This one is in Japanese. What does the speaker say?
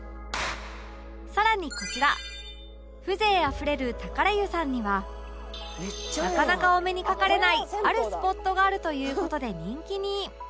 更にこちら風情あふれるタカラ湯さんにはなかなかお目にかかれないあるスポットがあるという事で人気に